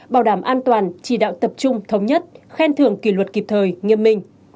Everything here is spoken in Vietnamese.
bảo đảm an toàn chỉ đạo tập trung thống nhất khen thưởng kỷ luật kịp thời nghiêm minh